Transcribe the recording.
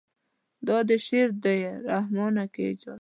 دا دې شعر دی رحمانه که اعجاز.